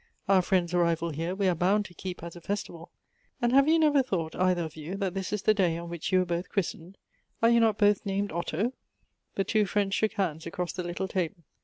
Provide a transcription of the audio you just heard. " Our friend's arrival here we are bound to keep as a festival ; and have you never thought, either of you, that this is the day on which you were both christened? Are you not both named Otto?" The two friends shook hands across the little table.